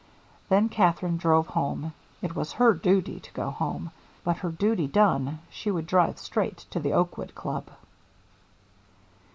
Then Katherine drove home it was her duty to go home. But, her duty done, she would drive straight to the Oakwood Club.